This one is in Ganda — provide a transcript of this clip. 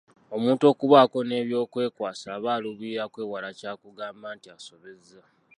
Omuntu okubaako n'eby'okwekwasa aba aluubirira kwewala kya kugamba nti asobezza.